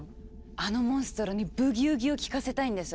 あのモンストロに「ブギウギ」を聞かせたいんです。